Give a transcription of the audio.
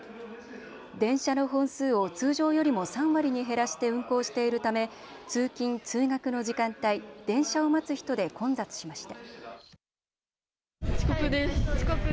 電車の本数を通常よりも３割に減らして運行しているため通勤、通学の時間帯電車を待つ人で混雑しました。